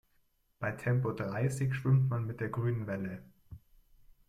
Bei Tempo dreißig schwimmt man mit der grünen Welle.